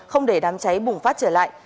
không để đám cháy bùng phát trở lại